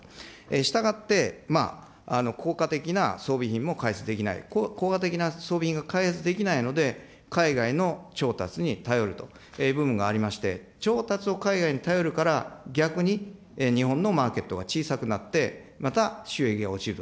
したがって、効果的な装備品も開発できない、効果的な装備品が開発できないので、海外の調達に頼るという部分がありまして、調達を海外に頼るから、逆に日本のマーケットが小さくなって、また収益が落ちると。